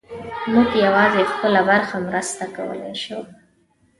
موږ یوازې خپله برخه مرسته کولی شو.